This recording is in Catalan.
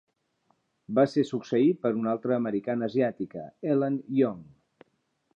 Va ser succeït per una altre americana asiàtica, Ellen Young.